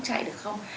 chạy được không